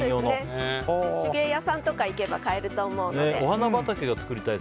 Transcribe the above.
手芸屋さんとかに行けば買えると思うので。